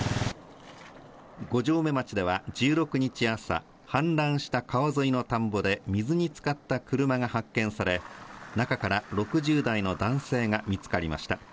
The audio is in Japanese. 五城目町では１６日朝、氾濫した川沿いの田んぼで水につかった車が発見され、中から６０代の男性が見つかりました。